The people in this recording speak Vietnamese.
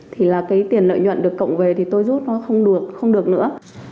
thì là cái tiền lợi nhuận được cộng về thì tôi rút nó không được nữa